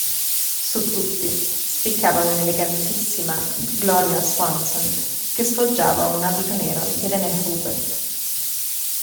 Su tutti, spiccava un'elegantissima Gloria Swanson che sfoggiava un abito nero di René Hubert.